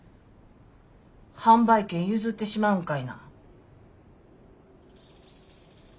販売権譲ってしまうんかいな。